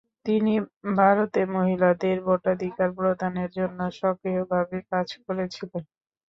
তিনি ভারতে মহিলাদের ভোটাধিকার প্রদানের জন্য সক্রিয়ভাবে কাজ করেছিলেন।